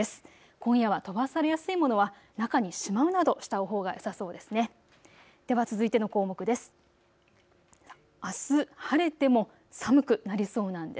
今夜は飛ばされやすい物は中にしまうなどしたほうがよさそうです。